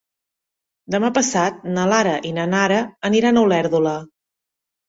Demà passat na Lara i na Nara aniran a Olèrdola.